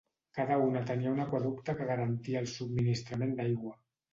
Cada una tenia un aqüeducte que garantia el subministrament d'aigua.